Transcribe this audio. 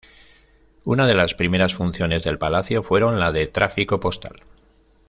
Una de las primeras funciones del Palacio fueron la de tráfico postal.